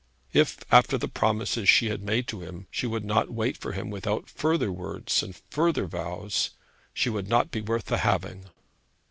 If, after the promises she had made to him, she would not wait for him without farther words and farther vows, she would not be worth the having.